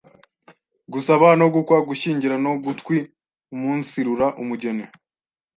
gusaba no gukwa, gushyingira no gutwiumunsirura umugeni,